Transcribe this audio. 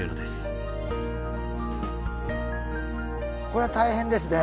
これは大変ですね。